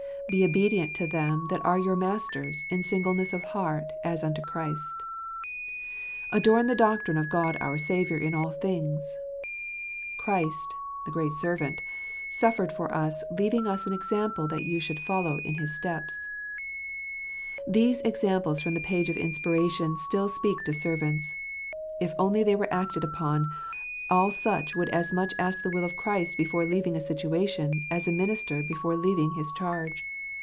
"Be obedient to them that are your masters, in singleness of heart, as unto Christ." "Adorn the doctrine of God our Saviour in all things." "Christ"— the great Servant— " suffered for us, leaving us an example that ye should follow His steps." These voices from the page of inspiration still speak to servants, If only they were acted upon, all such would as much ask the will of Christ before leaving a situation as a minister before leaving his charge.